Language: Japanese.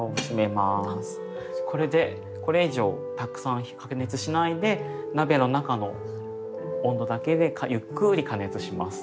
これでこれ以上たくさん加熱しないで鍋の中の温度だけでゆっくり加熱します。